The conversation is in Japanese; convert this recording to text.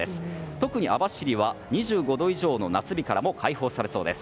特に網走は２５度以上の夏日からも解放されそうです。